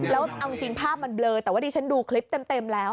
แล้วเอาจริงภาพมันเบลอแต่ว่าดิฉันดูคลิปเต็มแล้ว